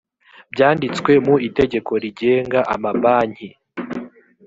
byanditswe mu itegeko rigenga amabanki